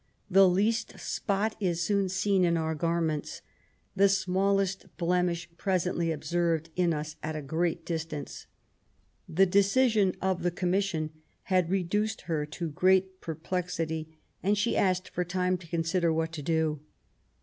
The least spot is soon seen in our garments, the smallest blemish presently observed in us at a great distance." The decision of the Commission had reduced her to great perplexity, and she asked for time to consider what to do.